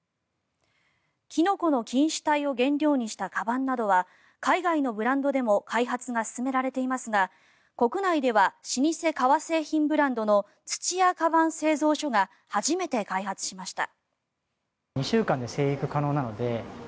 キノコの菌糸体を原料としたかばんなどは海外のブランドでも開発が進められていますが国内では老舗革製品ブランドの土屋鞄製造所が初めて開発しました。